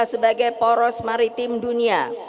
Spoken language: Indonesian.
sebagai poros maritim dunia